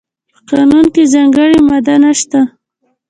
په قانون کې ځانګړې ماده نشته.